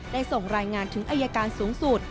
ส่งรายงานถึงอายการสูงสุด